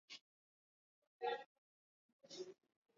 lakini huzidishwa na shughuli za wanadamuKwa idadi kubwa ya watu